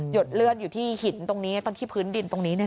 ดเลือดอยู่ที่หินตรงนี้ตรงที่พื้นดินตรงนี้